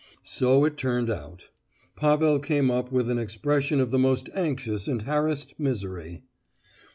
So it turned out. Pavel came up with an expression of the most anxious and harassed misery.